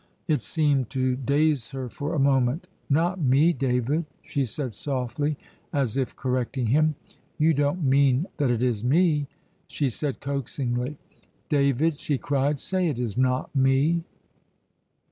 It seemed to daze her for a moment. "Not me, David," she said softly, as if correcting him. "You don't mean that it is me?" she said coaxingly. "David," she cried, "say it is not me!"